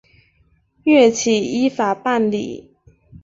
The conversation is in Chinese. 岳起依法办理。